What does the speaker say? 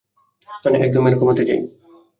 মানে একদম এরকম হতে চাই।